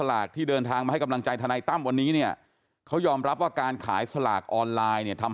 แล้วก็เดี๋ยวบอกมีการดูแลให้ผมก็ไม่รู้ว่าดูแลอะไรยังไงนะครับ